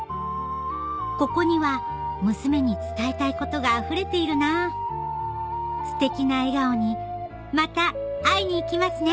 ここには娘に伝えたいことがあふれているなステキな笑顔にまた会いに行きますね